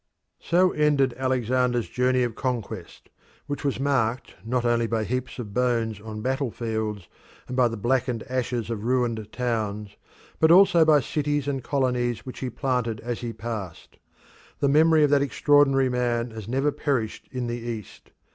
So ended Alexander's journey of conquest, which was marked not only by heaps of bones on battlefields and by the blackened ashes of ruined towns, but also by cities and colonies which he planted as he passed. The memory of that extraordinary man has never perished in the East.